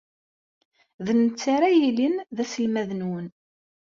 D netta ara yilin d aselmad-nwen.